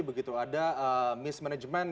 begitu ada mismanagement